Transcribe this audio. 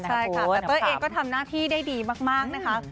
ใช่ค่ะแต่เต้ยเองก็ทำหน้าที่ได้ดีมากนะคะ